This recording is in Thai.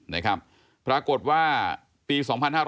นะครับปรากฏว่าปี๒๕๕๙